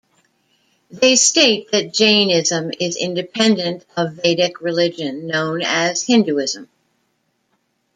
They state that "Jainism is independent of Vedic religion, known as 'Hinduism'".